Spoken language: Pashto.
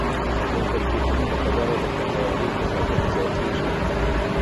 د کړکېچونو له کبله د پانګوالۍ تضادونه زیاتېږي